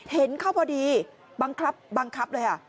เห็นเข้าพอดีบังคับบังคับเลย